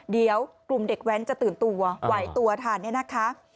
เดี๋ยวกลุ่มเด็กแว้นจะตื่นตัวไหวตัวทันเนี่ยนะคะ